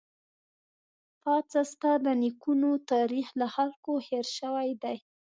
پاڅه ! ستا د نيکونو تاريخ له خلکو هېر شوی دی